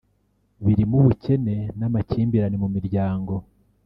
birimo ubukene n’amakimbirane mu miryango